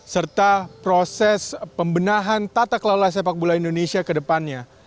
serta proses pembenahan tata kelola sepak bola indonesia ke depannya